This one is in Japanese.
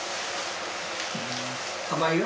甘いよ。